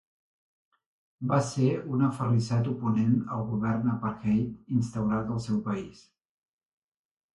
Va ser un aferrissat oponent al govern apartheid instaurat al seu país.